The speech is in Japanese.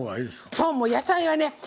そうもう野菜はね